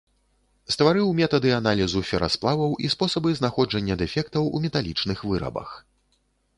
Стварыў метады аналізу ферасплаваў і спосабы знаходжання дэфектаў у металічных вырабах.